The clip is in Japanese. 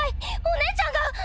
お姉ちゃんが！